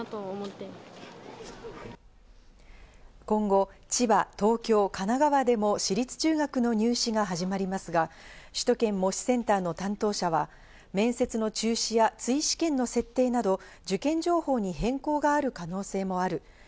今後、千葉、東京、神奈川でも私立中学の入試が始まりますが、首都圏模試センターの担当者は面接の中止や追試験の設定など受験情報に変更がある可能性もある。